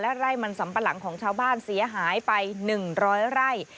ไร่มันสัมปะหลังของชาวบ้านเสียหายไป๑๐๐ไร่